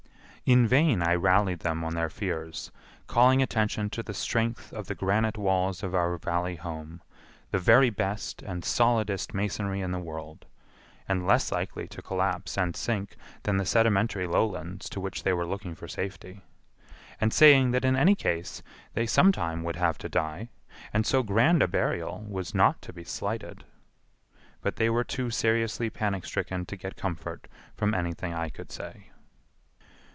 In vain I rallied them on their fears, calling attention to the strength of the granite walls of our Valley home, the very best and solidest masonry in the world, and less likely to collapse and sink than the sedimentary lowlands to which they were looking for safety; and saying that in any case they sometime would have to die, and so grand a burial was not to be slighted. But they were too seriously panic stricken to get comfort from anything I could say.